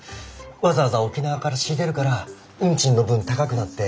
わざわざ沖縄から仕入れるから運賃の分高くなって。